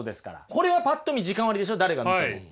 これはパッと見時間割でしょ誰が見ても。